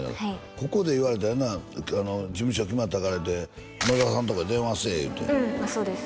ここで言われたよな事務所決まったからいうて野田さんとこに電話せえいうてうんそうです